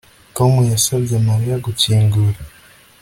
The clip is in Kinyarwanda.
Tom yasabye Mariya gukingura